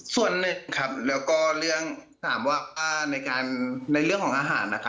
ส่วนหนึ่งครับแล้วก็เรื่องถามว่าในเรื่องของอาหารนะครับ